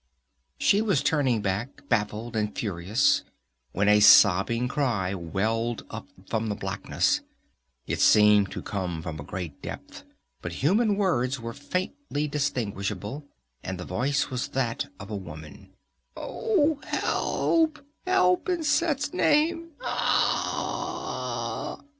She was turning back, baffled and furious, when a sobbing cry welled up from the blackness. It seemed to come from a great depth, but human words were faintly distinguishable, and the voice was that of a woman. "Oh, help! Help, in Set's name!